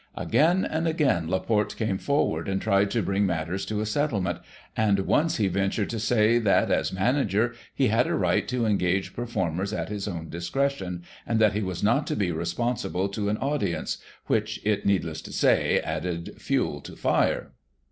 Again and again Laporte came forward, and tried to bring matters to a settlement, and once he ventured to say, that, as manager, he had a right to engage performers at his own discretion, and that he was not to be responsible to an audi ence — which, it is needless to say, added fuel to fire.